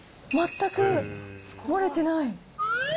全く漏れてない。